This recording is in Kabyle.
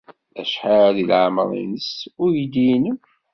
Acḥal deg leɛmeṛ-nnes uydi-nnem?